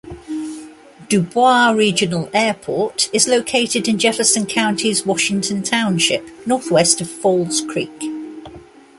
DuBois Regional Airport is located in Jefferson County's Washington Township, northwest of Falls Creek.